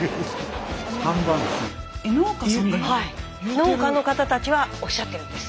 農家の方たちはおっしゃってるんです。